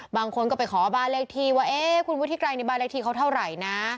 บางคนก็ไปขอบ้านเลขที่ว่าเอ๊ะคุณวุฒิไกรในบ้านเลขที่เขาเท่าไหร่นะ